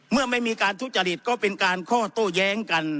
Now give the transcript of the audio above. เมื่อไม่มีการทุจริตก็เป็นการข้อโต้แย้งกัน